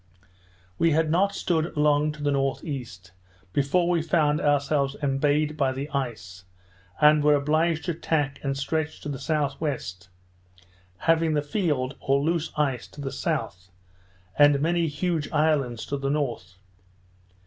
We had not stood long to the N.E. before we found ourselves embayed by the ice, and were obliged to tack and stretch to the S.W., having the field, or loose ice, to the south, and many huge islands to the north.